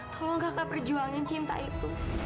tolong kakak perjuangin cinta itu